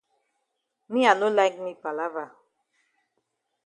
Me I no like me palava.